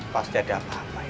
pasti ada apa apa